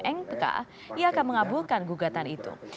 eng pekah ia akan mengabulkan gugatan itu